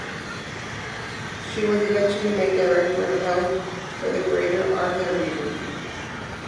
She was eventually made Director of Health for the Greater Accra region.